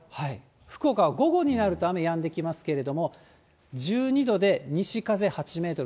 福岡は午後になると雨やんできますけれども、１２度で西風８メートル。